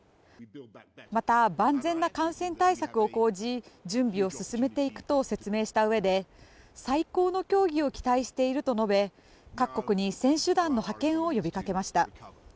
また、万全な感染対策を講じ準備を進めていくと説明したうえで最高の競技を期待していると述べ各国に選手団の派遣を呼びかけました。